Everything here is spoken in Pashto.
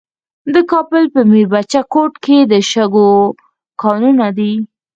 د کابل په میربچه کوټ کې د شګو کانونه دي.